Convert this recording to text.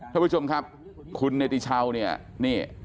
ท่านผู้ชมครับคุณเนติชาวเนี่ยนี่